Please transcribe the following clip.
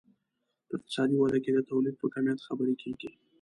په اقتصادي وده کې د تولید په کمیت خبرې کیږي.